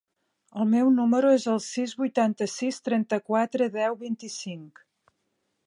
El meu número es el sis, vuitanta-sis, trenta-quatre, deu, vint-i-cinc.